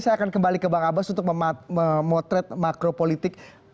saya akan kembali ke bang abbas untuk memotret makropolitik